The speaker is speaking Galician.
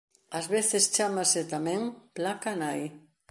Ás veces chámase tamén "placa nai".